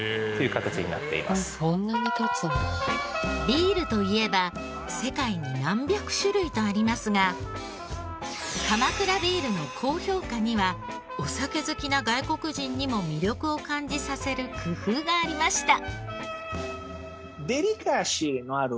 ビールといえば世界に何百種類とありますが鎌倉ビールの高評価にはお酒好きな外国人にも魅力を感じさせる工夫がありました。